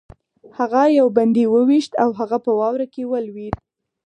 هغه یو بندي وویشت او هغه په واوره کې ولوېد